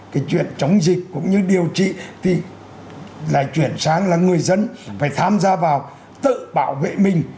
cái chuyện chống dịch cũng như điều trị thì lại chuyển sang là người dân phải tham gia vào tự bảo vệ mình